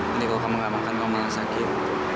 nanti kalau kamu gak makan kamu malah sakit